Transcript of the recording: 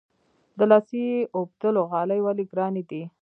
د لاسي اوبدلو غالۍ ولې ګرانې دي؟